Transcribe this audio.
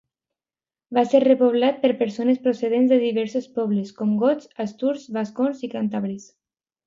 Va ser repoblat per persones procedents de diversos pobles, com gots, asturs, vascons i càntabres.